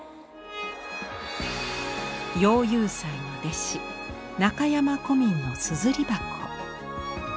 羊遊斎の弟子中山胡民の硯箱。